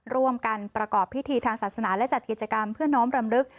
ร่วมกันประกอบพิธีทางศาสนาและจัดกิจกรรมเพื่อน้อมรำลึก